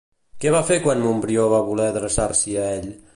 Què va fer quan Montbrió va voler adreçar-s'hi a ell?